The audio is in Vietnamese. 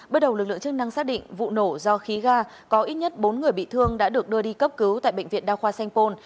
bước đầu lực lượng chức năng xác định vụ nổ do khí ga có ít nhất bốn người bị thương đã được đưa đi cấp cứu tại bệnh viện đa khoa sanh pôn